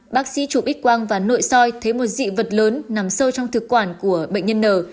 bác sĩ chụp ít quang và nội soi thấy một dị vật lớn nằm sâu trong thực quản của bệnh nhân n